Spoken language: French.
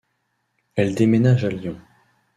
Elle déménage à Lyon.